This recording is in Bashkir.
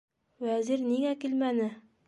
- Вәзир ниңә килмәне?